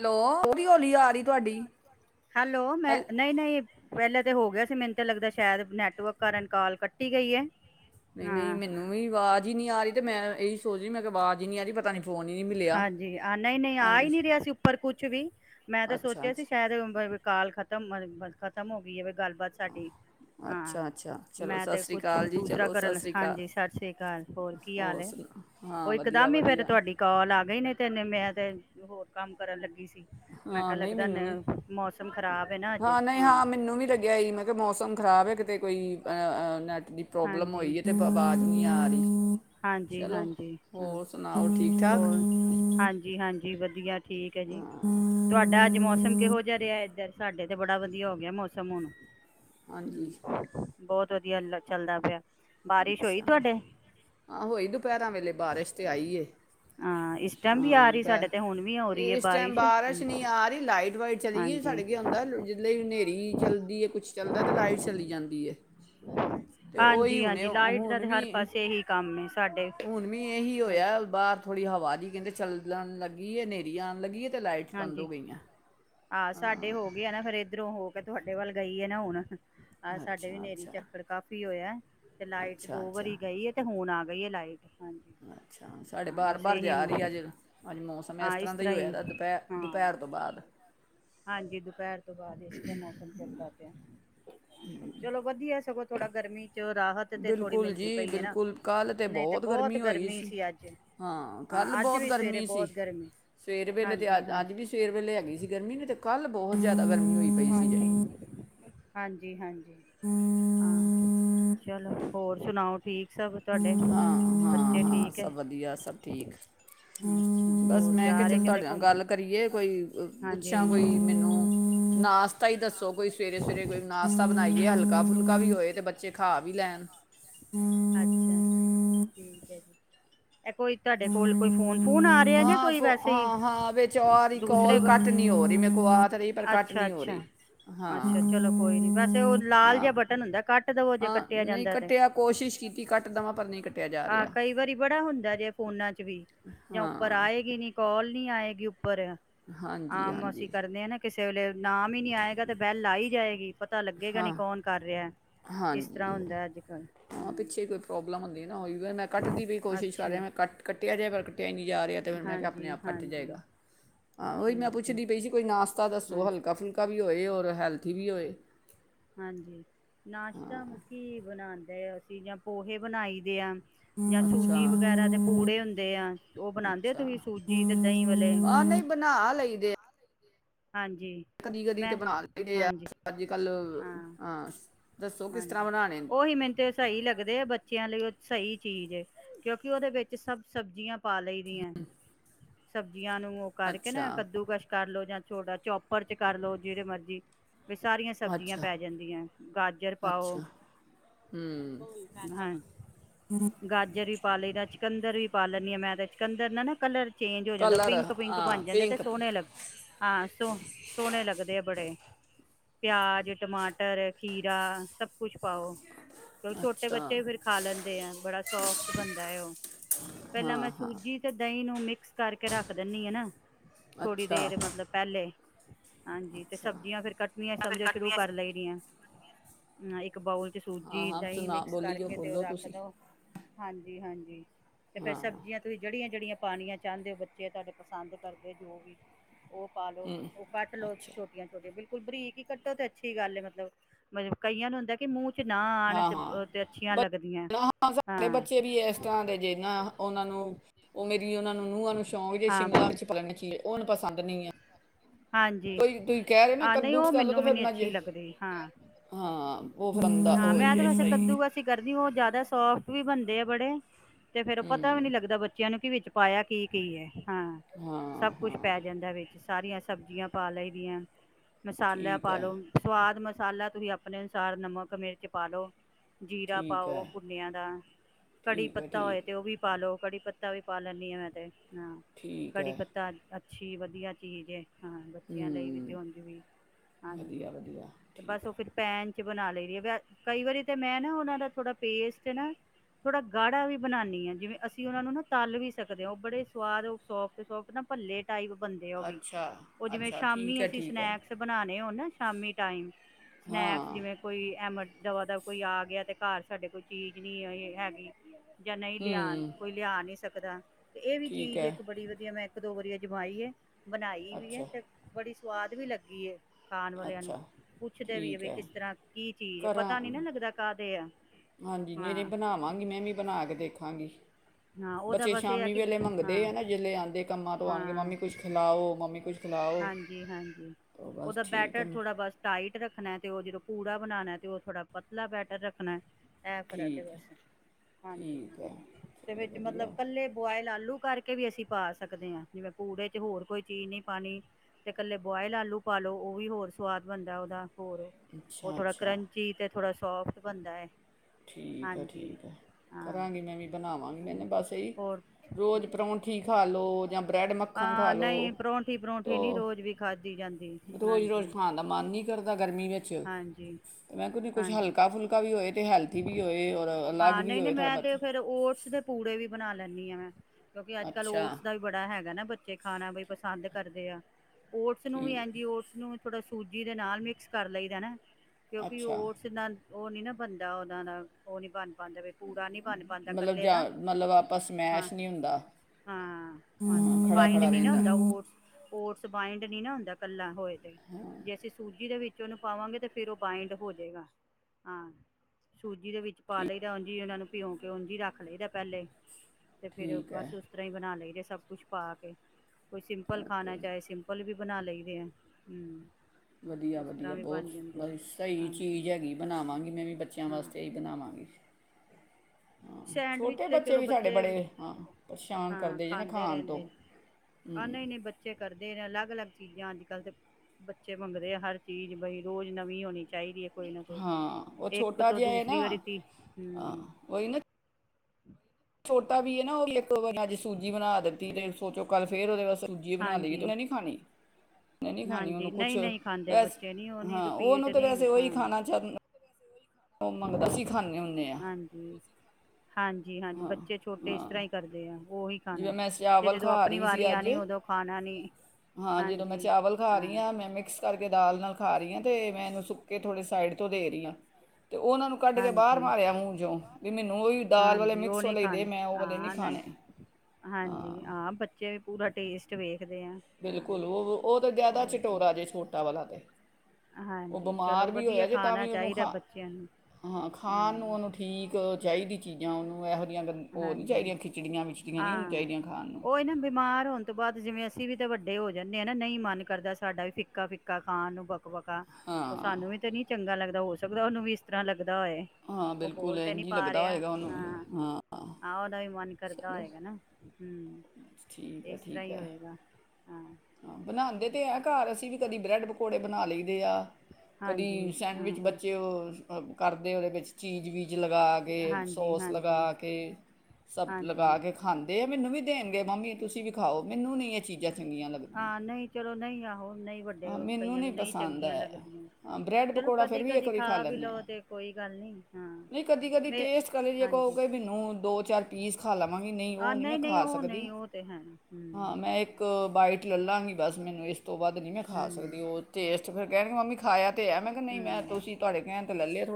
Hello ਹੌਲੀ ਹੌਲੀ ਆ ਰਹੀ ਤੁਹਾਡੀ ਹੈਲੋ, ਮੈਂ ਹੈਲ ਨਹੀਂ- ਨਹੀਂ ਪੈਲੇ ਤੇ ਹੋ ਗਿਆ ਸੀ, ਮੈਨੂੰ ਤਾਂ ਲੱਗਦੈ ਸੈ਼ਦ ਨੈਟਵਰਕ ਕਾਰਨ ਕਾਲ ਕੱਟੀ ਗਈ ਏ। ਨਹੀਂ -ਨਹੀਂ ਮੈਨੂੰ ਵੀ ਵਾਜ਼ ਈ, ਨ੍ਹੀਂ ਆ, ਰੀ। ਤੇ, ਮੈਂ ਏਹੀ ਸੋਚਦੀ ਮੈਂ ਕਿਆ ਵਾਜ਼ ਹੀ ਨੀ ਆਰੀ, ਪਤਾ ਨੀ ਹਾਂਜੀ, ਆ ਨਹੀਂ -ਨਹੀਂ ਆ ਹੀ ਨਹੀਂ ਰਿਹਾ ਸੀ ਉੱਪਰ ਕੁਛ ਵੀ ਮੈਂ, ਤੇ ਅੱਛਾ ਸੋਚਿਆ ਸੀ, ਅੱਛਾ ਸੈ਼ਦ ਬਈ ਬ ਕਾਲ ਖਤਮ [unintelligible] ਖਤਮ ਹੋ ਗਈ ਏ ਬਈ। ਗੱਲਬਾਤ ਸਾਡੀ ਹਾਂ, ਅੱਛਾ ਅੱਛਾ ਚਲੋ ਮੈਂ ਸਤਿ ਤੇ ਸ਼੍ਰੀ ਕੁਛ ਅਕਾਲ ਜੀ ਦੂਸਰਾ ਚਲੋ ਸਤਿ ਸ਼੍ਰੀ ਅਕਾਲ ਕਰਨ--ਹਾਂਜੀ ਸਤ ਸ੍ਰੀ ਕਾਲ। ਹੋਰ ਕੀ ਹਾਲ ਏ? ਸੁਣਾ ਹਾਂ ੳ ਵਧੀਆ ਇਕਦਮ ਹੀ ਫੇਰ ਵਧੀਆ ਤੁਵਾਡੀ ਆ ਗਏ ਨੇ ਤੈਨੇ ਮੈਂ ਤੇ ਹੋਰ ਕੰਮ ਕਰਨ ਲੱਗੀ। ਸੀ ਮੈਂ ਹਾਂ, ਕਿਹਾ ਨਹੀਂ ਲੱਗਦਾ ਮੈਨੂੰ ਵੀ ਨ- ਮੌਸਮ ਖ਼ਰਾਬ ਹੈ ਨਾ ਅੱਜ ਹਾਂ ਨਹੀਂ ਹਾਂ ਮੈਨੂੰ ਵੀ ਲੱਗਿਆ ਹੀ ਮੈਂ ਕਿ ਮੌਸਮ ਖ਼ਰਾਬ ਏ ਕਿਤੇ ਕੋਈ ਅ ਅ ਨੈਟ ਦੀ ਪ੍ਰੋਬਲਮ ਹਾਂਜੀ ਹੋਈ ਏ ਤੇ ਵ ਵਾਜ਼ ਨੀ ਨੀ ਆ ਰੀ। ਹਾਂਜੀ। ਹਾਂਜੀ। ਹਾਂ। ਸੁਣਾਓ ਠੀਕ ਹੋਰ ਠਾਕ ਹਾਂਜੀ। ਹਾਂਜੀ। ਵਧੀਆ। [inaudible] ਠੀਕ ਹੈ ਜੀ। ਤੁਹਾਡਾ ਅੱਜ ਮੌਸਮ ਕਿਹੋ ਜਿਹਾ ਰਿਹਾ ਇੱਧਰ। ਸਾਡੇ ਤੇ ਬੜਾ ਵਧੀਆ ਹੋ ਗਿਆ ਮੌਸਮ ਹੁਣ। ਹਾਂਜੀ ਹੂ ਬਹੁਤ। ਵਧੀਆ ਚੱਲਦਾ ਪਿਆ। ਬਾਰਿਸ਼ ਹੋਈ ਅੱਛਾ ਤੁਹਾਡੇ। ਹੋਈ ਦੁਪਹਿਰਾਂ ਵੇਲੇ ਬਾਰਿਸ਼ ਤਾਂ ਆਈ ਹੈ। ਹਾਂ ਇਸ ਟਾਈਮ ਵੀ ਆ ਰਹੀ ਸਾਡੇ ਤੇ ਹੁਣ ਵੀ ਹੋ ਰਹੀ ਹੈ ਇਸ ਟਾਈਮ ਬਾਰਿਸ਼ ਨਹੀਂ ਹਮ, ਆ ਰਹੀ ਲਾਈਟ ਵ੍ਹਾਈਟ ਚਲੀ ਗਈ। ਹਾਂਜੀ ਸਾਡੇ ਕੀ ਹੁੰਦਾ ਹਨੇਰੀ ਚਲਦੀ ਕੁਛ ਚਲਦਾ ਲਾਈਟ ਚਲੀ ਜਾਂਦੀ ਹੈ। ਤੇ ਉਹੀ ਹੀ ਹੁਣੇ। ਇਹਨਾ ਹੁਣ ਦੇ ਹਰ ਵੀ ਪਾਸੇ ਇਹੀ ਕੰਮ ਏ। ਹੁਣ ਵੀ ਇਹੀ ਹੋਇਆ ਬਾਹਰ। ਥੋੜ੍ਹੀ ਹਵਾ ਜੀ ਕਹਿੰਦੇ। ਚੱਲਣ ਲੱਗੀ ਏ ਨੇ। ਆਣ ਲੱਗੀ ਏ। ਲਾਈਟਸ ਬੰਦ ਹਾਂਜੀ ਹੋ ਗਈਆਂ। ਆਹ। ਸਾਡੇ ਹੋ ਗਏ ਆ ਨਾ ਫਿਰ ਏ। ਇਧਰੋਂ ਹੋ ਕੇ ਤੁਹਾਡੇ ਵੱਲ ਗਈ ਨਾ ਹੁਣ। ਆਹ। ਸਾਡੇ ਵੀ ਅੱਛਾ ਹਨੇਰੀ ਅੱਛਾ ਝੱਖੜ ਕਾਫ਼ੀ ਹੋਇਆ ਤੇ ਲਾਈਟ ਅੱਛਾ ਦੋ ਅੱਛਾ ਵਾਰੀ ਗਈ ਹੈ ਤੇ ਹੁਣ ਆ ਗਈ ਹੈ ਲਾਈਟ। ਹਾਂਜੀ ਅੱਛਾ! ਸਾਡੇ ਹਾਂ ਬਸ ਬਰ-ਬਾਰ ਇਹੀ ਜਾ ਰਹੀ ਹੈ ਅੱਜ। ਅੱਜ ਮੌਸਮ ਇਸ ਤਰ੍ਹਾਂ ਦਾ ਹੀ ਹੋਇਆ ਹੈ ਦੁਪਹਿਰ। ਹਾ ਦੁਪਹਿਰ ਤੋਂ ਬਾਅਦ ਹਾਂਜੀ। ਦੁਪਹਿਰ ਤੋਂ ਬਾਅਦ ਇਸ ਤਰ੍ਹਾਂ ਦਾ ਮੌਸਮ ਚੱਲਦਾ ਪਿਆ। ਚਲੋ ਵਧੀਆ। ਸਗੋ ਥੋੜਾ ਗਰਮੀ। ' ਤੋਂ ਰਾਹਤ ਤਾਂ ਥੋੜ੍ਹੀ ਬਿਲਕੁਲ ਮਿਲਦੀ ਜੀ ਪਈ ਹੈ ਨਾ ਬਿਲਕੁਲ ਕੱਲ੍ਹ ਨਹੀਂ ਤਾਂ ਬਹੁਤ ਹੋਈ ਗਰਮੀ ਸੀ ਅੱਜ। ਹਾਂ ਕੱਲ੍ਹ ਅੱਜ ਬਹੁਤ ਵੀ ਸਵੇਰੇ ਗਰਮੀ ਸੀ ਬਹੁਤ ਗਰਮੀ ਸਵੇਰ ਵੇਲੇ ਤੇ ਹਾਂਜੀ। ਅੱਜ ਅੱਜ ਹਾਂਜੀ ਵੀ ਸਵੇਰ ਵੇਲੇ ਹੈਗੀ ਸੀ ਗਰਮੀ। ਨਈ ਤੇ ਕੱਲ੍ਹ ਬਹੁਤ ਬਹੁਤ ਜ਼ਿਆਦਾ ਗਰਮੀ ਹੋਈ ਪਈ ਸੀ ਜੇ। ਹਾਂਜੀ ਹਾਂਜੀ। ਹਾਂਜੀ ਹਾਂ, ਚਲੋ ਹੋਰ ਸੁਣਾਓ। ਠੀਕ ਸਭ ਤੁਹਾਡੇ ਹਾਂ, ਹਾਂ, ਬੱਚੇ ਹਾਂ। ਠੀਕ ਹੈ ਸਭ ਵਧੀਆ ਸਭ ਠੀਕ। ਅੱਛਾ ਬਸ ਹੋਰ ਮੈਂ ਜਾ ਕਿਹਾ ਰਹੇ ਚਲ ਕਿਤੇ ਤੁਹਾਡੇ ਨਾਲ ਘੁੰਮ ਗੱਲ ਕਰੀਏ। ਕੋਈ ਪੁੱਛਾ ਹਾਂਜੀ ਕੋਈ ਮੈਨੂੰ ਨਾਸ਼ਤਾ ਹੀ ਦੱਸੋ ਕੋਈ। ਸਵੇਰੇ ਸਵੇਰੇ ਕੋਈ ਨਾਸ਼ਤਾ ਬਣਾਈਏ। ਹਲਕਾ ਫੁਲਕਾ ਵੀ ਹੋਏ ਤੇ ਬੱਚੇ ਖਾ ਵੀ ਲੈਣ। ਅੱਛਾ! ਅੱਛਾ! ਠੀਕ ਹੈ ਜੀ। ਇਹ ਕੋਈ ਤੁਹਾਡੇ ਕੋਲ ਕੋਈ ਫੋਨ-ਫੋਨ ਆ ਰਿਹਾ ਜਾਂ ਹਾਂ ਕੋਈ ਫੋ ਵੈਸੇ ਹੀ ਹਾਂ ਹਾਂ ਵਿੱਚ ਔਰ ਹੀ ਦੂਸਰੇ। ਕਾਲ ਕੱਟ ਨਹੀਂ ਹੋ ਰਹੀ ਮੇਰੇ ਕੋ ਆ ਤਾਂ ਰਹੀ ਪਰ ਕੱਟ ਅੱਛਾ! ਨਹੀਂ ਹੋ ਅੱਛਾ! ਰਹੀ ਅੱਛਾ। ਹਾਂ ਚਲੋ ਕੋਈ ਨੀ ਵੈਸੇ ਉਹ ਲਾਲ ਹਾਂ ਜਿਹਾ ਬਟਨ ਹੁੰਦਾ ਕੱਟ ਦਵੋ ਜੇ ਹਾਂ ਕੱਟਿਆ ਨਹੀਂ ਜਾਂਦਾ ਤੇ ਕੱਟਿਆ ਕੋਸ਼ਿਸ਼ ਕੀਤੀ ਕੱਟ ਦੇਵਾਂ ਪਰ ਨਹੀਂ ਕੱਟਿਆ ਜਾ ਆਹ ਰਿਹਾ ਕਈ ਵਾਰੀ ਬੜਾ ਹੁੰਦਾ ਜੇ ਫੋਨਾਂ ਚ ਵੀ ਜਾਂ ਉੱਪਰ ਹਾਂ ਆਏਗੀ ਨੀ ਕਾਲ ਨਹੀਂ ਆਏਗੀ ਉੱਪ ਉੱਪਰ ਆ ਹਾਂਜੀ ਆਮ ਅਸੀਂ ਹਾਂਜੀ ਕਰਦੇ ਹਾਂ ਨਾ ਕਿਸ ਤੇਲੇ ਨਾਮ ਹੀ ਨਹੀਂ ਆਏਗਾ ਤੇ ਬੈਲ ਆ ਹੀ ਜਾਏਗੀ ਪਤਾ ਲੱਗੇਗਾ ਹਾਂ ਨੀ ਕੌਣ ਕਰ ਰਿਹਾ ਇਸ ਤਰ੍ਹਾਂ ਹਾਂਜੀ ਉਹ- ਹੁੰਦਾ ਅੱਜ ਕੱਲ ਹਾਂ ਪਿੱਛੇ ਕੋਈ ਪ੍ਰੋਬਲਮ ਹੁੰਦੀ ਨਾ ਹੋਈਵੇ ਮੈਂ ਕੱਦੀ ਵੀਈ ਕੋਸ਼ਿਸ਼ ਕਰ ਅੱਛਾ ਰਿਹਾ ਮੈਂ ਕੱ ਕੱਟਿਆ ਜਿੇ ਪਰ ਨਹੀ ਜਾ ਰਿਹਾ ਤੇ ਫਿਰ ਮੈਂ ਕਿਹਾ ਆਪਣੇ ਹਾਂਜੀ ਆਪ ਕੱਟ ਹਾਂਜੀ ਜਾਏਗਾ ਹਾਂ ਉਹੀ ਮੈਂ ਠੀਕ ਹੈ ਪੁੱਛਦੀ ਪਈ ਸੀ ਕੋਈ ਨਾਸ਼ਤਾ ਹਾਂ ਦੱਸੋ ਹਲਕਾ ਫੁਲਕਾ ਵੀ ਹੋਏ ਔਰ ਹੈਲਥ [unintelligible] ਹਾਂਜੀ ਨਾਸ਼ਤਾ ਮੁਖੀ ਬਣਾਾਨ ਅਸੀਂ ਜਾਂ ਪੋਹੇ ਬਣਾਈ ਦੇ ਆ ਜਾਂ ਅੱਛਾ ਸੂਜੀ ਵਗੈਰਾ ਦੇ ਪੂੜੇ ਹੁੰਦੇ ਆ ਉਹ ਬਣਾਉਂਦੇ ਅੱਛਾ ਤੁਸੀਂ ਸੂਜੀ ਤੇ ਦਹੀਂ ਵਾਲੇ ਹਾਂ ਨਹੀਂ ਬਣਾ ਲਈਦੇ ਆ ਹਾਂਜੀ ਕਦੀ ਕਦੀ ਤੇ ਮੈਂ ਬਣਾ ਲੈਂਦੇ ਆ ਹਾਂਜੀ ਅੱਜ ਕੱਲ ਹਾਂ ਦੱਸੋ ਕਿਸ ਤਰ੍ਹਾਂ ਹਾਂਜੀ ਬਣਾਣੇ ਉਹੀ ਮੈਨੂੰ ਤੇ ਸਹੀ ਲੱਗਦੇ ਆ ਬੱਚਿਆਂ ਲਈ ਸਹੀ ਚੀਜ਼ ਏ ਕਿਉਂਕਿ ਉਹਦੇ ਵਿੱਚ ਸਭ ਸਬਜ਼ੀਆਂ ਪਾਲ ਲਈ ਦੀ ਏ [inaudible] ਜੀਆਂ ਨੂੰ ਉਹ ਕਰਕੇ ਅੱਛਾ, ਨਾ ਕੱਦੂ ਕਸ਼ ਕਰ ਲੋੋ ਜਾਂ ਛੋਟਾ ਚੋਪਰ ਚ ਕਰਲੋ ਜਿਹੜੇ ਮਰਜ਼ੀ ਵੀ ਸਾਰੀਆਂ ਸਬਜ਼ੀਆਂ ਅੱਛਾ, ਪੈ ਜਾਂਦੀਆਂ ਗਾਜਰ ਪਾਓ ਅੱਛਾ ਹਾਂਜੀ ਗਾਜਰ ਵੀ ਪਾ ਲਈਦਾ ਚਿਕੰਦਰ ਵੀ ਪਾਲ ਲਣੀ ਆ ਮੈਂ ਤੇ ਚਿਕੰਦਰ ਨਾ ਨਾ ਕਲਰ ਚੇਂਜ ਹੋ ਜਾਂਦਾ ਕਲਰ ਪਿੰਕ ਪਿੰਕ ਹਾਂ ਬਣ ਜਾਂਦੇ ਤੇ ਪਿੰਕ ਸੋਹਣੇ ਲੱਗ ਹਾਂ ਸੋਹ ਸੋਹਣੇ ਲੱਗਦੇ ਆ ਬੜੇ ਪਿਆਜ ਟਮਾਟਰ ਖੀਰਾ ਸਭ ਕੁਛ ਪਾਓ ਕਿਉਂਕਿ ਛੋਟੇ ਅੱਛਾ ਬੱਚੇ ਵੀ ਫਿਰ ਖਾ ਲੈਂਦੇ ਆ ਬੜਾ ਸੋਫਟ ਬਣਦਾ ਹੈ ਉਹ ਪਹਿਲਾਂ ਹਾਂ, ਮੈਂ ਹਾਂ ਸੂਜੀ ਅਤੇ ਦਹੀਂ ਨੂੰ ਮਿਕਸ ਕਰਕੇ ਰੱਖ ਦਿਨੀ ਨਾ ਥੋੜ੍ਹੀ ਅੱਛਾ, ਦੇਰ ਮਤਲਬ ਪਹਿਲੇ ਹਾਂਜੀ ਤੇ ਅੱਛਾ ਸਬਜ਼ੀਆਂ ਫੇਰ ਕੱਟਣੀਆਂ ਸਮਝੋ ਸ਼ੁਰੂ ਕਰ ਲਈ ਦੀਆਂ। ਹ ਇੱਕ ਬਾਊਲ ਚ ਹਾਂ, ਸੂਜੀ ਹਾਂ ਦਹੀਂ ਸੁਣਾ ਮਿਕਸ ਬੋਲੀ ਜੋ ਕਰਕੇ ਤੇ ਉਹ ਬੋਲੋ ਰੱਖ ਤੁਸੀਂ ਦਓ ਹਾਂਜੀ ਹਾਂਜੀ। ਤੇ ਫੇਰ ਹਾਂ ਸਬਜ਼ੀਆਂ ਤੁਸੀਂ ਜਿਹੜੀਆਂ-ਜਿਹੜੀਆਂ ਪਾਣੀਆਂ ਚਾਹੁੰਦੇ ਹੋ ਬੱਚੇ ਤੁਹਾਡੇ ਪਸੰਦ ਕਰਦੇ ਜੋ ਵੀ ਉਹ ਉਬਾਲੋ ਉਹ ਕੱਟ ਲੋ ਅੱਛਾ ਛੋਟੀਆਂ-ਛੋਟੀਆਂ ਬਿਲਕੁਲ ਬਰੀਕ ਹੀ ਕੱਟੋ ਤੇ ਅੱਛੀ ਗੱਲ ਏ ਮਤਲਬ ਕਈਆਂ ਨੂੰ ਹੁੰਦਾ ਕਿ ਮੂੰਹ ਚ ਨਾ ਆਉਣ ਹਾਂ ਤੇ ਹਾਂ ਤੇ ਅੱਛੀਆਂ ਬ ਲੱਗਦੀਆਂ ਸਾਡੇ ਹਾਂ ਬੱਚੇ ਵੀ ਇਸ ਤਰ੍ਹਾਂ ਦੇ ਜੇ ਨਾ ਉਹਨਾਂ ਨੂੰ ਉਹ ਮੇਰੀ ਉਹਨਾਂ ਨੂੰ ਨੂੰਹਾਂ ਨੂੰ ਸ਼ੌਕ ਜੇ ਹਾਂ ਸ਼ਿਮਲਾ ਚ [unintelligible] ਹੁਣ ਪਸੰਦ ਨਹੀਂ ਆ ਹਾਂਜੀ ਤੁਈ ਤੁਸੀਂ ਕਹਿ ਰਹੇ ਨਾ ਹਾਂ ਨਹੀਂ ਕੱਦੂ ਉਹ ਕਰਲੋ ਤੇ ਮੈਨੂੰ ਵੀ ਫੇਰ ਨੀ ਬਣਾਈ ਅੱਛੀ ਏ ਲੱਗਦੀ ਹਾਂ ਹਾਂ ਉਹ ਬੰਦਾ ਹਾਂ ਉਹ ਮੈਂ ਤੇ ਜੇ ਵੈਸੇ ਸਹੀ ਕੱਦੂ ਵੈਸੇ ਕਰਦੀ ਹਾਂ ਉਹ ਜ਼ਿਆਦਾ ਸੋਫ ਟ ਵੀ ਬਣਦੇ ਆ ਬੜੇ ਤੇ ਫੇਰ ਉਹ ਪਤਾ ਵੀ ਨੀ ਲੱਗਦਾ ਬੱਚਿਆਂ ਨੂੰ ਕਿ ਵਿ ਚ ਪਾਇਆ ਕੀ ਕੀ ਏ ਹਾਂ ਹਾਂ ਸਭ ਹਾਂ, ਕੁਛ ਪੈ ਜਾਂਦਾ ਵਿੱਚ ਸਾਰੀਆਂ ਸਬਜ਼ੀਆਂ ਪਾ ਲਈ ਦੀਆਂ ਮਸਾਲਾ ਠੀਕ ਹੈ ਪਾਲੋ ਸਵਾਦ ਮਸਾਲਾ ਤੁਸੀਂ ਆਪਣੇ ਅਨੁਸਾਰ ਨਮਕ ਮਿਰਚ ਪਾਲੋ ਜੀਰਾ ਠੀਕ ਪਾਓ ਹੈ ਭੁੰਨਿਆਂ ਦਾ ਕੜੀ ਠੀਕ ਹੈ ਪੱਤਾ ਹੋਏ ਠੀਕ ਤੇ ਉਹ ਵੀ ਪਾ ਲਓ ਕੜੀ ਪੱਤਾ ਵੀ ਪਾ ਲੈਂਦੀ ਆ ਮੈਂ ਤੇ ਹਾਂ ਠੀਕ ਕੜੀ ਹੈ ਪੱਤਾ ਅੱਛੀ ਵਧੀਆ ਚੀਜ਼ ਏ। ਹਾਂ ਬੱਚਿਆਂ ਹੂੰ ਲਈ ਵੀ ਤੇ ਉਝ ਵੀ ਹਾਂਜੀ ਵਧੀਆ ਵਧੀਆ ਤੇ ਠੀਕ ਬਸ ਉਹ ਫਿਰ ਹੈ ਪੈਣ ਬਣਾ ਲਈ ਦੀਏ ਕਈ ਵਾਰੀ ਤੇ ਮੈਂ ਨਾ ਉਹਨਾਂ ਦਾ ਥੋੜਾ ਪੇਸਟ ਨਾ ਥੋੜਾ ਗਾੜਾ ਵੀ ਬਣਾਨੀਆ ਜਿਵੇਂ ਅਸੀਂ ਉਹਨਾ ਨੂੰ ਨਾ ਤਲ ਵੀ ਸਕਦੇ ਹਾਂ ਉਹ ਬੜੇ ਸਵਾਦ ਸੋਫਟ ਸੋਫਟ ਨਾ ਭੱਲੇ ਟਾਈਪ ਬਣਦੇ ਉਹ ਵੀ ਅੱਛਾ ਉਹ ਜਿਵੇਂ ਅੱਛਾ ਠੀਕ ਸ਼ਾਮੀ ਹੈ ਅਸੀਂ ਠੀਕ ਹੈ ਸਨੈਕਸ ਬਣਾਉਣੇ ਹੋ ਨਾ ਸ਼ਾਮੀ ਟਾਈਮ ਹਾਂ ਸਨੈਕਸ ਜਿਵੇਂ ਕੋਈ ਮ ਦਬਾ ਦਬ ਕੋਈ ਆ ਗਿਆ ਤੇ ਘਰ ਸਾਡੇ ਕੋਈ ਚੀਜ਼ ਨਹੀਂ ਹੈਗੀ ਜਾਂ ਨਹੀਂ ਲਿਅਣ ਕੋਈ ਲਿਆ ਨਹੀਂ ਸਕਦਾ ਦਾ ਤੇ ਇਹ ਵੀ ਠੀਕ ਚੀਜ਼ ਹੈ ਇੱਕ ਬੜੀ ਵਧੀਆ ਮੈਂ ਇੱਕ ਦੋ ਵਾਰੀ ਅਜਮਾਈ ਏ ਬਣਾਈ ਵੀ ਏ ਅੱਛਾ ਤੇ ਬੜੀ ਸਵਾਦ ਵੀ ਲੱਗੀ ਏ। ਖਾਣ ਵਾਲਿਆਂ ਨੂੰ ਅੱਛਾ ਪੁੱਛਦੇ ਵੀ ਏ, ਠੀਕ ਵੀ ਹੈ ਕਿਸ ਤਰ੍ਹਾਂ ਕੀ ਚੀਜ਼ ਕਰਾਂ ਪਤਾ ਨੀ ਨਾ ਲੱਗਦਾ ਕਾਹਦੇ [unintelligible] ਹਾਂਜੀ ਨਹੀਂ ਨਹੀਂ ਹਾਂ ਬਣਾਵਾਂਗੀ, ਮੈਂ ਵੀ ਬਣਾ ਕੇ ਦੇਖ ਗੀ। ਹਾਂ ਉਹਦਾ ਬੱਚੇ ਬਸ ਇਹ ਹੈ ਸ਼ਾਮੀ ਕਿ ਵੇਲੇ ਮੰਗਦੇ ਹਾਂ ਆ ਨਾ ਜਿਹੜੇ ਆਂਦੇ ਕੰਮਾਂ ਤੋਂ ਆਉਣਗੇ, ਹਾਂ ਮੰਮੀ ਕੁਛ ਖਿਲਾਉ, ਮੰਮੀ ਕੁਛ ਖਿਲਾਉ ਹਾਂਜੀ, ਹਾਂਜੀ। ਬਸ ਠੀਕ ਆ। ਬਣਾਣਾ ਤੇ ਉਹ ਜਦੋਂ ਪੂੜਾ ਬਣਾਉਣਾ ਤੇ ਉਹ ਥੋੜਾ ਪਤਲਾ ਬੈਟਰ ਰੱਖਣਾ। ਇਹ ਫਰਕ ਹੈ, ਬਸ ਹਾਂਜੀ। ਠੀਕ ਹੈ ਚਲੋ ਵਿੱਚ ਮਤਲਬ ਵਧੀਆ ਇਕੱਲੇ ਬੁਆਏ ਬੋਇਲ ਆਲੂ ਕਰਕੇ ਵੀ ਅਸੀਂ ਪਾ ਸਕਦੇ ਹਾਂ, ਜਿਵੇਂ ਪੂੜੇ ਹੋਰ ਕੋਈ ਚੀਜ਼ ਨਹੀਂ ਪਾਣੀ ਤੇ ਇਕੱਲੇ ਬੋਆਇਲ ਆਲੂ ਪਾ ਲਉ, ਉਹ ਵੀ ਹੋਰ ਸਵਾਦ ਬਣਦਾ ਉਹਦਾ। ਹੋਰ ਉਹ ਅੱਛਾ ਥੋੜਾ ਅੱਛਾ ਕਰੰਚੀ ਤੇ ਥੋੜਾ ਸੋਫਟ ਬਣਦਾ ਏ। ਠੀਕ ਹੈ, ਠੀਕ ਹੈ, ਕਰਾਂਗੀ ਮੈਂ ਵੀ ਬਣਾ ਹਾਂ ਮੈਨੂੰ ਬਸ ਇਹੀ ਹੋਰ ਰੋਜ ਪਰੋਠੀ ਖਾ ਲਓ ਜਾਂ ਬਰੈਡ ਮੱਖਣ ਇਹੀ ਬਰੈਡ ਮੱਖਣ ਖਾ ਹਾਂ ਨਹੀਂ ਪਰੌਂਠੀ ਪਰੌਂਠੀ ਨਹੀਂ ਲਓ, ਰੋਜ਼ ਵੀ ਖਾਧੀ ਜਾਂਦੀ ਰੋਜ ਰੋਜ ਹਾਂਜੀ ਖਾਣ ਦਾ ਮਨ ਨਹੀਂ ਕਰਦਾ ਗਰਮੀ ਵਿੱਚ, ਹਾਂਜੀ ਮੈਂ ਕਹਿਣੀ ਕੁਝ ਹਾਂਜੀ ਹਲਕਾ ਫੁਲਕਾ ਵੀ ਹੋਏ ਤੇ ਹੈਲਥ ਕੁਝ ਵੀ ਹੋਏ, ਹੋਰ ਅਲੱਗ ਵੀ ਹੋਏ ਥੋੜਾ ਕੁਝ ਵੀ ਬਣਾ ਲੈਣੀ ਆ ਮੈਂ ਕਿਉਂਕਿ ਅੱਜ ਕੱਲ੍ਹ ਓਟਸ ਅੱਛਾ ਦਾ ਵੀ ਬੜਾ ਹੈਗਾ ਨਾ ਬੱਚੇ ਖਾਣਾ ਪਸੰਦ ਕਰਦੇ ਆ। ਓਟਸ ਨੂੰ ਵੀ ਠੀਕ ਐਜੀ ਓਟਸ ਨੂੰ ਥੋੜਾ ਸੂਜੀ ਦੇ ਨਾਲ ਮਿਕਸ ਕਰ ਲਈ ਦਾ ਨਾ ਕਿਉਂਕਿ ਅੱਛਾ ਓਟਸ ਨਾਲ ਉਹ ਨੀ ਨਾ ਬਣਦਾ ਓਦਾਂ ਦਾ ਉਹ ਨੀ ਬਣਦਾ। ਪੂੜਾ ਨੀ ਬਣ ਪਾਂਦਾ ਮਤਲਬ ਇਕੱਲੇ ਦਾ ਮਤਲਬ ਆਪਾਂ ਹਾਂ ਸਮੈਸ਼ ਨਹੀਂ ਹੁੰਦਾ, ਹਾਂ ਹਾਂਜੀ ਖੜਾ ਬਾਈੰਡ ਖੜਾ ਨੀ ਨਾ ਰਹਿੰਦਾ। ਹੁੰਦਾ ਓਟਸ ਓਟਸ ਬਾਇੰਡ ਨੀ ਨਾ ਹੁੰਦਾ ਇਕੱਲਾ ਹੋਏ ਜੇ ਅਸੀਂ ਸੂਜੀ ਦੇ ਵਿੱਚ ਉਹਨੂੰ ਪਾਵਾਂਗੇ ਤੇ ਫਿਰ ਉਹ ਬਾਈੰਡ ਹੋ ਜੇਗਾ, ਹਾਂ। ਸੂਜੀ ਦੇ ਵਿੱਚ ਪਾ ਠੀਕ ਲਈਦਾ ਉਂਜ ਈ ਉਹਨਾਂ ਨੂੰ ਭਿਉਂ ਕੇ ਉਂਜ ਹੀ ਰੱਖ ਲਈਦੈ ਪਹਿਲੇ ਤੇ ਫੇਰ ਠੀਕ ਹੈ ਬਸ ਉਸ ਤਰ੍ਹਾਂ ਹੀ ਬਣਾ ਲਈਦੇ ਸਭ ਕੁਛ ਪਾ ਕੇ ਕੋਈ ਸਿੰਪਲ ਖਾਣਾ ਓਕੇ ਚਾਹੇ ਸਿੰਪਲ ਵੀ ਬਣਾ ਲਈਦੇ ਆ, ਹੂੰ ਵਧੀਆ- ਉਸ ਵਧੀਆ ਤਰ੍ਹਾਂ ਵੀ ਬਣ ਬਹੁਤ ਜਾਂਦੇ ਆ ਬੜੀ ਸਹੀ ਹਾਂਜੀ ਚੀਜ਼ ਹੈਗੀ ਬਣਾਵਾਂਗੀ ਮੈਂ ਵੀ ਬੱਚਿਆਂ ਹਾਂ ਵਾਸਤੇ ਹੀ ਬਣਾਵਾਂਗੀ ਸੈਂਡਵਿਚ ਛੋਟੇ ਤੇ ਚਲੋ ਵੀ ਸਾਡੇ ਬੱਚੇ ਬੜੇ ਹਾਂ ਪਰੇਸ਼ਾਨ ਹਾਂ ਕਰਦੇ ਜੇ ਨਾ ਖਾਂਦੇ ਖਾਣ ਤੋਂ ਰਹਿੰਦੇ ਆ, ਬੱਚੇ ਕਰਦੇ ਨੇ ਅਲੱਗ-ਅਲੱਗ ਚੀਜ਼ਾਂ ਅੱਜ ਕੱਲ੍ਹ ਤੇ ਬੱਚੇ ਮੰਗਦੇ ਆ, ਹਰ ਚੀਜ਼ ਬਈ ਰੋਜ਼ ਨਵੀਂ ਹੋਣੀ ਚਾਹੀਦੀ ਐ ਕੋਈ ਨਾ ਕੋਈ ਹਾਂ ਉਹ ਇੱਕ ਛੋਟਾ ਤੋਂ ਜਿਹਾ ਹੈ ਨਾ ਦੂਸਰੀ ਵਾਰੀ ਤੀ ਹੂੰ [inaudible] ਛੋ ਟਾ ਵੀ ਐ ਨਾ ਉਹ ਵੀ ਇੱਕ ਅੱਜ ਸੂਜੀ ਬਣਾ ਦਿੱਤੀ ਤੇ ਸੋਚੋ ਕੱਲ ਫੇਰ ਉਹਦੇ ਵਾਸਤੇ ਸੂਜੀ ਬਣਾ ਲਈ ਤੇ ਹਾਂਜੀ ਉਹ ਨੀ ਖਾਣੀ ਨਈ-ਨਈ ਖਾਣੀ, ਹਾਂਜੀ ਉਹਨੂੰ ਕੁਛ ਨਹੀਂ ਨਹੀਂ ਖਾਂਦੇ ਬੱਚੇ ਨੀ ਉਹ ਵੈਸੇ ਨੀ ਹਾਂ ਰਿਪੀਟ ਉਹਨੂੰ ਤਾਂ ਵੈਸੇ ਉਹੀ ਖਾਣਾ ਚਾਹੁੰ ਆ ਹਾਂਜੀ-ਹਾਂਜੀ-ਹਾਂਜੀ ਬੱਚੇ ਛੋਟੇ ਇਸ ਤਰ੍ਹਾਂ ਹੀ ਕਰਦੇ ਆ ਓਹੀ ਜਿਵੇਂ ਮੈਂ ਚਾਵਲ ਖਾ ਰਹੀ ਸੀ ਅੱਜ ਉਦੋਂ ਖਾਣਾ ਨੀ ਹਾਂ ਜਦੋਂ ਮੈਂ ਚਾਵਲ ਖਾ ਰਹੀ ਹਾਂ, ਮੈਂ ਮਿਕਸ ਕਰਕੇ ਦਾਲ ਨਾਲ ਖਾ ਰਹੀ ਹਾਂ ਅਤੇ ਮੈਂ ਇਹਨੂੰ ਸੁੱਕੇ ਥੋੜ੍ਹੇ ਸਾਈਡ ਤੋਂ ਦੇ ਰਹੀ ਆ ਤੇ ਉਹਨਾਂ ਨੂੰ ਕੱਢ ਕੇ ਬਾਹਰ ਹਾਂਜੀ ਮਾਰਿਆ ਮੂੰਹ ਚੋਂ ਵੀ ਮੈਨੂੰ ਓਹੀ ਦਾਲ ਵਾਲੇ ਹਾਂਜੀ ਉਹ ਮਿਕਸ ਨਹੀਂ ਵਾਲੇ ਹੀ ਦੇ ਖਾਣਾ ਮੈਂ ਉਹ ਵਾਲੇ ਨੀ ਹਾਂ ਨਹੀਂ ਖਾਣੇ ਹਾਂਜੀ, ਹਾਂ ਬੱਚੇ ਵੀ ਪੂਰਾ ਟੇਸਟ ਵੇ ਬਿਲਕੁਲ ਓ ਓ ਓਹ ਤਾਂ ਜ਼ਿਆਦਾ ਹੋਰ ਕੀ ਚਟੋਰਾ ਜੇ ਛੋਟਾ ਵਾਲਾ ਤੇ ਓ ਹਾਂਜੀ ਚਲੋ ਬਿਮਾਰ ਵੀ ਵਧੀਆ ਹੋਇਆ ਜੇ ਤਾਂ ਖਾਣਾ ਵੀ ਉਹਨੂੰ ਚਾਹੀਦਾ ਖਾ ਬੱਚਿਆਂ ਨੂੰ ਹਾਂ, ਖਾਣ ਨੂੰ ਉਹਨੂੰ ਹਮ ਠੀਕ ਚਾਹੀ ਚੀਜ਼ਾਂ ਉਹਨੂੰ ਇਹੋ ਜਿਹੀਆਂ ਗੰ- ਉਹ ਨਹੀਂ ਹਾਂਜੀ, ਚਾਹੀਦੀਆਂ ਖਿਚੜੀਆਂ ਵਿਚੜੀਆਂ ਨਹੀਂ ਉਹਨੂੰ ਹਾਂ ਚਾਹੀਦੀਆਂ ਖਾਣ ਨੂੰ ਓ ਏ ਨਾ ਬਿਮਾਰ ਹੋਣ ਤੋਂ ਬਾਅਦ ਜਿਵੇਂ ਅਸੀਂ ਵੀ ਤਾਂ ਵੱਡੇ ਡੇ ਹੋ ਜਾਂਦੇ ਨਾ ਨਹੀਂ ਮਨ ਕਰਦਾ ਸਾਡਾ ਵੀ ਫਿੱਕਾ-ਫਿੱਕਾ ਖਾਣ ਨੂੰ ਵਕ-ਵਕਾ, ਔ ਹਾਂ ਸਾਨੂੰ ਵੀ ਤੇ ਨੀ ਚੰਗਾ ਲੱਗ ਹੋ ਸਕਦਾ ਉਹਨੂੰ ਵੀ ਇਸਰ੍ਹਾਂ ਲੱਗਦਾ ਹੋਏ ਹਾਂ ਉਹ ਬਿਲਕੁੱਲ ਬੋਲ ਤੇ ਇੰਝ ਨਹੀਂ ਈ ਪਾ ਲੱਗਦਾ ਹੋਏਗਾ ਉਹਨੂੰ ਹਾਂ ਦਾ ਵੀ ਮਨ ਕਰਦਾ ਚਲੋ ਹੋਏਗਾ ਨਾ, ਹੂੰ, ਠੀਕ ਹੈ ਏਸ ਤਰ੍ਹਾਂ ਠੀਕ ਹੀ ਹੈ ਹੋਏਗਾ ਹਾਂ ਹਾਂ ਬਣਾਉਂਦੇ ਚਲੋ ਤੇ ਹੈ ਘਰ ਅਸੀਂ ਵੀ, ਕਦੀ ਬ੍ਰੈਡ ਪਕੌੜੇ ਬਣਾ ਲਈ ਦੇ ਆ, ਕਦੀ ਹਾਂਜੀ ਸੈਂਡਵਿਚ ਹਾਂ ਬੱਚੇ ਕਰਦੇ ਹੋਏ ਵਿੱਚ ਚੀਜ਼ ਵੀ ਲਗਾ ਕੇ ਹਾਂਜੀ ਸੋਸ ਲਗਾ ਹਾਂਜੀ ਕੇ, ਸਭ ਲਗਾ ਹਾਂਜੀ ਕੇ ਖਾਂਦੇ ਆ ਮੈਨੂੰ ਵੀ ਦੇਣਗੇ ਮੰਮੀ ਤੁਸੀਂ ਵੀ ਖਾਓ, ਮੈਨੂ ਨਹੀ ਇਹ ਚੀਜ਼ਾਂ ਚੰਗੀਆਂ ਲੱਗਦੀਆਂ ਹਾ ਨਹੀ ਚਲੋ ਨਹੀ ਆਹੋ ਨਹੀਂ ਵੱਡੇ ਹਾਂ ਮੈਨੂੰ ਕਈਆਂ ਨਹੀਂ ਨੂੰ ਪਸੰਦ ਆ ਚੰਗੀਆਂ ਲੱਗਦੀਆਂ ਹਾਂ ਬਰੈਡ ਚਲੋ ਪਕੌੜਾ ਕਦੀ ਫਿਰ ਵੀ ਇੱਕ ਕਦੀ ਵਾਰੀ ਖਾ ਵੀ ਲੈਂਦੇ ਲਓ ਹਾਂ ਤੇ ਕੋਈ ਗੱਲ ਨਹੀਂ ਹਾਂ ਨਹੀਂ ਕਦੀ ਕਦੀ ਮੈਂ ਟੇਸਟ ਕਰੇ ਜੇ ਹਾਂਜੀ ਕਗੇ ਮੈਨੂੰ ਦੋ ਚਾਰ ਪੀਸ ਖਾ ਲਵਾਂਗੀ ਨਹੀਂ ਆ ਉਹ ਨਹੀਂ ਮੈਂ ਖਾ ਉਹ ਸਕਦੀ ਨਹੀਂ ਉਹ ਤੇ ਹੈ ਹਮ ਹਾਂ ਮੈਂ ਇੱਕ ਕੁ ਬਾਈਟ ਲੈੱਲਾਂਗੀ ਬਸ ਮੈਨੂੰ ਇਸ ਤੋਂ ਬਾਅਦ ਨਹੀਂ ਮੈਂ ਖਾ ਸਕਦੀ ਹਮ ਹੋ ਉੱਥੇ [unintelligible] ਕਹਿਣਗੇ ਮੰਮੀ ਖਾਇਆ ਤੇ ਹੈ ਮੈਂ ਕਿਹਾ ਨਹੀਂ ਮੈਂ ਤੁਸੀਂ ਤੁਹਾਡੇ ਕਹਿਣ [unintelligible]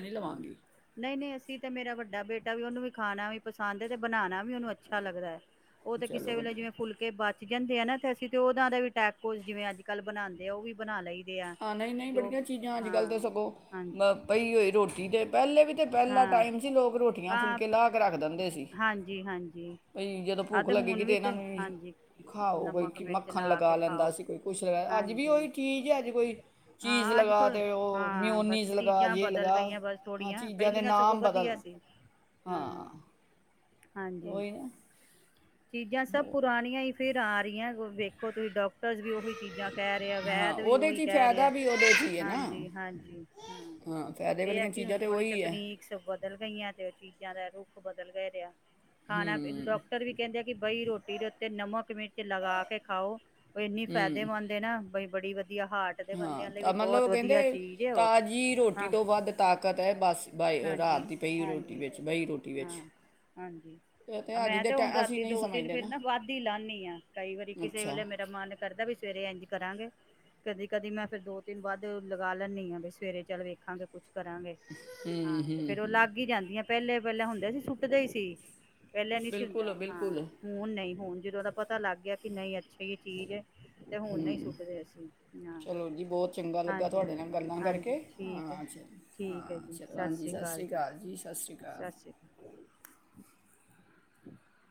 ਨਹੀਂ ਹੂੰ ਲਵਾਂਗੀ ਨਹੀਂ ਨਹੀਂ ਅਸੀਂ ਤਾਂ ਮੇਰਾ ਵੱਡਾ ਬੇਟਾ ਵੀ ਉਹਨੂੰ ਵੀ ਖਾਣਾ ਵੀ ਪਸੰਦ ਹੈ, ਤੇ ਬਣਾਣਾ ਵੀ ਉਹਨੂੰ ਅੱਛਾ ਲੱਗਦਾ ਹੈ। ਉਹ ਤੇ ਚਲੋ ਕਿਸੇ ਵੇਲੇ ਵਧੀਆ ਜਿਵੇਂ ਫੁਲਕੇ ਬੱਚ ਜਾਂਦੇ ਆ ਨਾ ਤੇ ਅਸੀਂ ਤੇ ਉਹਦਾ ਦਾ ਵੀ ਟੈਕੋ ਜਿਵੇਂ ਅੱਜ ਕੱਲ ਬਣਾਂਦੇ ਆ ਉਹ ਵੀ ਬਣਾ ਲਈ। ਹਾਂ ਨਹੀਂ ਨਹੀਂ ਬੜੀਆਂ ਚੀਜ਼ਾਂ ਅੱਜ ਕੱਲ੍ਹ ਤਾਂ ਸਗੋਂ ਹਾਂਜੀ ਪਈ ਹੋ ਰੋਟੀ ਦੇ ਪਹਿਲੇ ਵੀ ਪਹਿਲਾ ਹਾਂ ਟਾਈਮ ਸੀ ਲੋਕ ਰੋਟੀਆਂ ਫੁਲਕੇ ਆਪ ਲਾ ਕੇ ਰੱਖ ਦਿੰਦੇ ਸੀ ਹਾਂਜੀ ਹਾਂਜੀ ਜਦੋਂ ਆਹ ਭੁੱਖ ਤੇ ਹੁਣ ਲੱਗੇਗੀ ਵੀ ਇਹਨਾਂ ਤੇ ਨੂੰ ਹਾਂਜੀ ਖਾਓ ਕੋਈ ਨਮਕ ਮਿਰਚ ਮੱਖਣ ਲਾ ਕੇ ਲਗਾ ਲੈਂਦਾ ਖਾਓ ਸੀ ਕੋਈ ਕੁਛ ਅੱਜ ਵੀ ਹਾਂਜੀ ਉਹੀ ਚੀਜ਼ ਐ ਕੋਈ ਚੀਜ਼ ਹਾਂ ਅੱਜ ਲਗਾ ਥੋੜੇ ਦੇਵੇ ਓ ਹਾਂ ਬਸ ਮਿਉਨਿਜ ਲਗਾ ਚੀਜ਼ਾਂ ਓ ਲਗਾ ਬਦਲ ਗਈਆਂ ਬਸ ਹਾਂ ਥੋੜੀਆਂ ਚੀਜ਼ਾਂ ਦੇ ਪਹਿਲੀਆਂ ਸਗੋਂ ਨਾਮ ਵਧੀਆ ਬਦਲ ਸੀ ਹੂੰ ਓਹੀ ਨਾ। ਚੀਜ਼ਾਂ ਸਭ ਪੁਰਾਣੀਆਂ ਹੀ ਫੇਰ ਆ ਰਹੀ ਆ ਵੇਖੋ ਤੁਸੀਂ ਡਾਕਟਰ ਵੀ ਉਹੀ ਚੀਜ਼ਾਂ ਕਹਿ ਰਿ ਹਾਂ ਵੈਦ ਵੀ ਉਹਦੇ 'ਚ ਓਹੀ ਹੀ ਕਹਿ ਫਾਇਦਾ ਰਿਹਾ ਵੀ ਉਹਦੇ 'ਚ ਹੀ ਹੈ ਨਾ ਹਾਂਜੀ ਹਾਂਜੀ ਹਾਂ ਫਾਇਦੇ ਇਹ ਹੈ ਵਾਲੀਆਂ ਕਿ ਚੀਜ਼ਾਂ ਹੁਣ ਤੇ ਥੋੜੀ ਉਹੀ ਹੈ ਤਕਨੀਕਸ ਬਦਲ ਗਈਆਂ ਤੇ ਚੀਜ਼ਾਂ ਦਾ ਰੁ ਉਹ ਬਦਲ ਦਾ ਰਿਹਾ। ਖਾਣਾ ਪੀ ਡਾਕਟਰ ਵੀ ਕਹਿੰਦੇ ਆ ਕਿ ਬਈ ਰੋਟੀ ਦੇ ਉੱਤੇ ਨਮਕ ਮਿਰਚ ਲਗਾ ਕੇ ਖਾਓ ਉਹ ਇੰਨੀ ਫਾਇਦੇਮੰਦ ਹੈ ਨਾ ਬਈ ਬੜੀ ਵਧੀ ਹਾਂ ਤਾਂ ਮਤਲਬ ਕਹਿੰਦੇ ਚੀਜ਼ ਹੈ ਉਹ ਤਾਜ਼ੀ ਰੋਟੀ ਹਾਂ ਤੋਂ ਵੱਧ ਤਾਕਤ ਹੈ ਬੱਸ ਬ ਰਾਤ ਹਾਂਜੀ ਦੀ ਪਈ ਰੋਟੀ ਹਾਂਜੀ ਵਿੱਚ ਬਹੀ ਰੋਟੀ ਵਿੱਚ ਹਾਂ ਤੇ ਹਾਂਜੀ ਅੱਜ ਦੇ ਉਹ ਤੇ ਹੈ ਮੈਂ ਜਿਦ੍ਹੇ ਹੁਣ ਅਸੀਂ ਰਾਤੀ ਤੇ ਨਹੀਂ ਦੋ ਤਿੰਨ ਸਮਝਦੇ ਫੇਰ ਨਾ ਵੱਧ ਹੀ ਲਾਦੀ ਆ ਕਈ ਵਾਰੀ ਕਿਸੇ ਅੱਛਾ ਵੇਲੇ ਮੇਰਾ ਮਨ ਕਰਦਾ ਵੀ ਸਵੇਰੇ ਇੰਝ ਕਰਾਂਗੇ। ਕਦੀ ਕਦੀ ਮੈਂ ਫੇਰ ਦੋ ਤਿੰਨ ਬਾਅਦ ਲਗਾ ਲੈਂਦੀ ਹਾਂ ਵੀ ਸਵੇਰੇ ਚੱਲ ਵੇਖਾਂਗੇ ਕੁੱਛ ਕਰਾਂਗੇ ਹਾਂ ਤੇ ਫੇਰ ਉਹ ਲੱਗ ਹੀ ਈ ਜਾਂਦੀਆਂ। ਪਹਿਲੇ ਪਹਿਲੇ ਹੁੰਦੇ ਸੀ ਸੁੱਟਦੇ ਹੀ ਸੀ। ਪਹਿਲਾਂ ਨਹੀਂ ਸੀ ਬਿਲਕੁਲ ਹੁੰਦਾ। ਹਾਂ ਬਿਲਕੁਲ। ਹੁਣ ਨਹੀਂ ਹੁਣ ਜਦੋਂ ਉਹਦਾ ਪਤਾ ਲੱਗ ਗਿਆ ਕਿ ਨਹੀਂ ਅੱਛੀ ਇਹ ਚੀਜ਼ ਹੈ। ਤੇ ਹੂ ਹੁਣ ਨਹੀਂ ਸੁੱਟਦੇ ਅਸੀਂ ਹਾਂ ਚਲੋ ਜੀ ਬਹੁਤ ਚੰਗਾ ਲੱਗਾ ਹਾਂਜੀ ਤੁਹਾਡੇ ਨਾਲ ਗੱਲਾਂ ਹਾਂਜੀ ਕਰਕੇ, ਠੀਕ ਹੈ ਹਾਂ ਚ ਹਾਂ ਚਲੋ ਹਾਂਜੀ ਸਤਿ ਸ਼੍ਰੀ ਅਕਾਲ ਜੀ ਸਤਿ ਸ਼੍ਰੀ ਅਕਾਲ। ਸਤਿ ਸ਼੍ਰੀ [unintelligible]